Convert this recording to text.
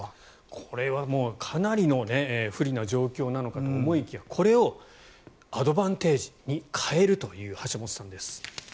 これはかなりの不利な状況なのかと思いきやこれをアドバンテージに変えるという橋本さんです。